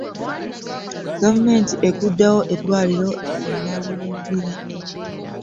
Gavumeenti eguddewo eddwaliiro e Nalubiri.